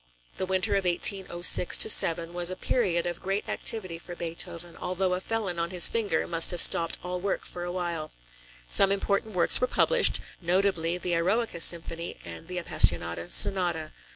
The winter of 1806 7 was a period of great activity for Beethoven, although a felon on his finger must have stopped all work for a while. Some important works were published, notably the Eroica Symphony and the Appassionata Sonata.